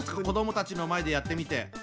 子どもたちの前でやってみて。